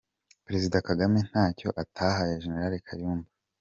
Perezida Kagame ntacyo atahaye Gen. Kayumba.